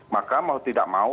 maka mau tidak mau